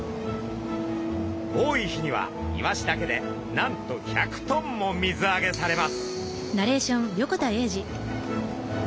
多い日にはイワシだけでなんと１００ｔも水揚げされます。